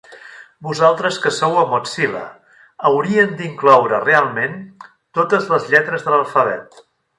Vosaltres que sou a Mozilla haurien d'incloure realment totes les lletres de l'alfabet.